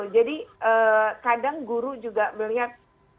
jadi kadang guru juga melihat